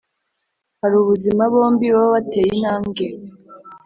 hari ubuzima, bombi baba bateye intambwe